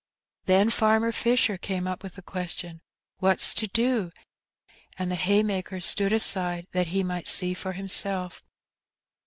Then Farmer Fisher came up with the question, "What's to do?" and the haymakers stood aside, that he might see for himself.